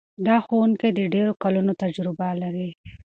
دا ښوونکی د ډېرو کلونو تجربه لري.